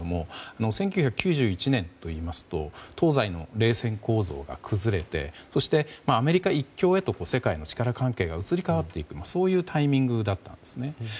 １９９１年といいますと東西の冷戦構造が崩れてそしてアメリカ一強へと世界の力関係が移り変わっていくタイミングだったんですね。